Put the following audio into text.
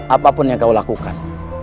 apapun yang kau lakukan